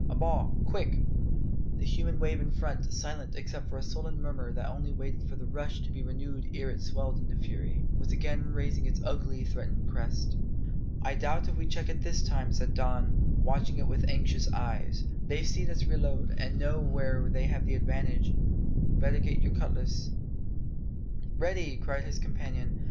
A ball, quick!" The human wave in front, silent except for a sullen murmur that only waited for the rush to be renewed ere it swelled into fury, was again raising its ugly, threatening crest. "I doubt if we check it this time," said Don, watching it with anxious eyes; "they've seen us reload, and know where they have the advantage. Better get your cutlass " "Ready!" cried his companion.